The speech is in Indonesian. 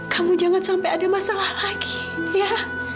kamu jangan sampai ada masalah lagi ya